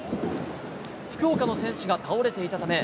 福岡の選手が倒れていたため、